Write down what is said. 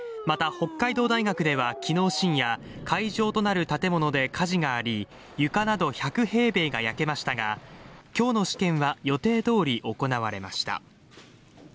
また、北海道大学では昨日深夜会場となる建物で火事があり床など１００平米が焼けましたが、今日の試験は予定どおり行われました。